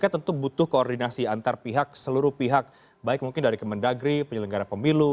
tentu butuh koordinasi antar pihak seluruh pihak baik mungkin dari kemendagri penyelenggara pemilu